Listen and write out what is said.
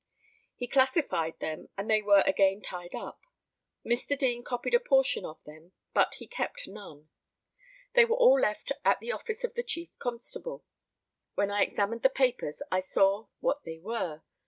He classified them, and they were again tied up. Mr. Deane copied a portion of them, but he kept none. They were all left at the office of the chief constable. When I examined the papers I saw what they were.